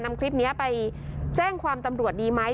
นำคลิปนี้ไปแจ้งความตำรวจดีไหม